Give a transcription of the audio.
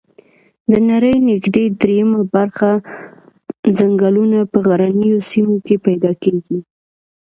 د نړۍ نږدي دریمه برخه ځنګلونه په غرنیو سیمو کې پیدا کیږي